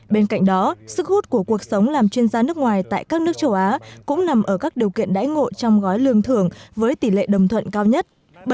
bên cạnh đó sức hút của cuộc sống làm chuyên gia nước ngoài tại các nước châu á cũng nằm ở các điều kiện đáy ngộ trong gói lương thưởng với tỷ lệ đồng thuận cao nhất